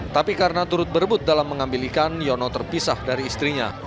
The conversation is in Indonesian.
tapi karena turut berebut dalam mengambil ikan yono terpisah dari istrinya